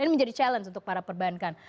ini menjadi challenge untuk para perbankan